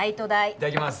いただきます。